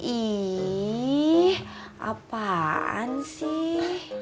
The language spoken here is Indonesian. ih apaan sih